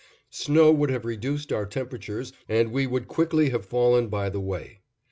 Snow would have reduced our temperatures and we would quickly have fallen by the way.